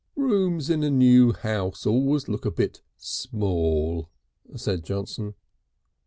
"Rooms in a new house always look a bit small," said Johnson.